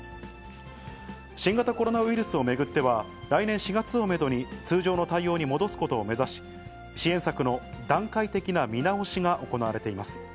新型コロナウイルスを巡っては、来年４月をメドに、通常の対応に戻すことを目指し、支援策の段階的な見直しが行われています。